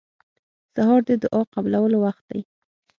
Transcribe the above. سهار د دعا قبولو وخت دی.